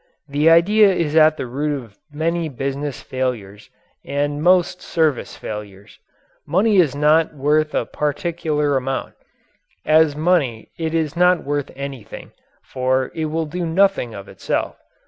This idea is at the root of many business failures and most service failures. Money is not worth a particular amount. As money it is not worth anything, for it will do nothing of itself.